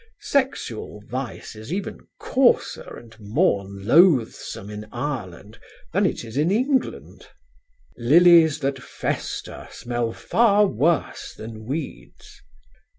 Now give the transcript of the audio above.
Sexual vice is even coarser and more loathsome in Ireland than it is in England: "'Lilies that fester smell far worse than weeds.'